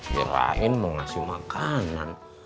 biar rahim mau ngasih makanan